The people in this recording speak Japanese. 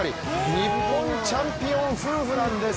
日本チャンピオン夫婦なんです。